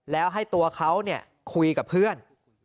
แล้วให้ตัวเขาคุยกับเพื่อน